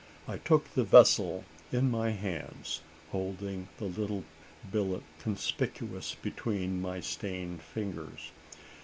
I took the vessel in my hands, holding the little billet conspicuous between my stained fingers.